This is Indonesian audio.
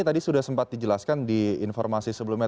tadi sudah sempat dijelaskan di informasi sebelumnya